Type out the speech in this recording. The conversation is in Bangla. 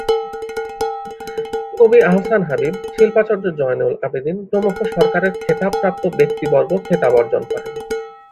কবি আহসান হাবীব, শিল্পাচার্য জয়নুল আবেদীন প্রমুখ সরকারের খেতাবপ্রাপ্ত ব্যক্তিবর্গ খেতাব বর্জন করেন।